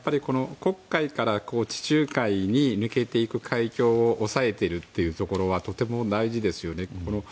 黒海から地中海に抜けていく海峡を押さえているところはとても大事ですね。